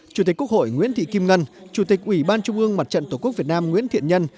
chủ tịch quốc hội nguyễn thị kim ngân chủ tịch ủy ban trung ương mặt trận tổ quốc việt nam nguyễn thiện nhân